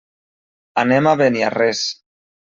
Anem a Beniarrés.